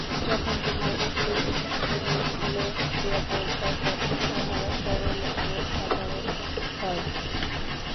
যখন তোমরা বস্তুগুলির মূলে গিয়া পৌঁছাও, তখন উহারা সরল ও সাধারণ হয়।